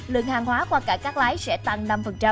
lượng hàng hóa qua cảng cắt lái sẽ tăng năm